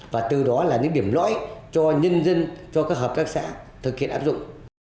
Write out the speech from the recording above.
và từ đó là những điểm lõi cho nhân dân cho các hợp tác xã thực hiện áp dụng